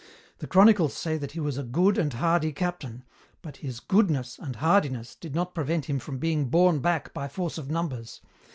The chronicles say that he was 'a good and hardy captain,' but his 'goodness' and 'hardiness' did not prevent him from being borne back by force of numbers.